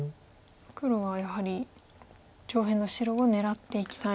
黒はやはり上辺の白を狙っていきたい。